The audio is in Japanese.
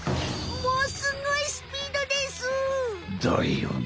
もうすごいスピードです！だよね。